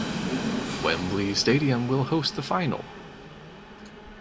Wembley Stadium will host the final.